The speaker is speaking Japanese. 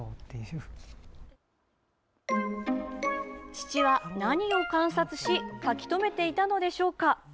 父は何を観察し描き留めていたのでしょうか。